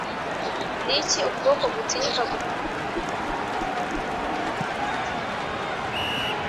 niki ukuboko gutinyuka gufata umuriro? kandi niki gitugu, nubuhanzi ki,